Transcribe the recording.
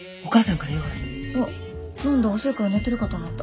何だ遅いから寝てるかと思った。